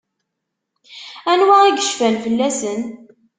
Anwa i yecfan fell-asen?